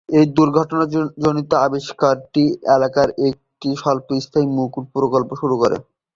এই দুর্ঘটনাজনিত আবিষ্কারটি এলাকায় একটি স্বল্পস্থায়ী মুকুট "প্রকল্প" শুরু করে।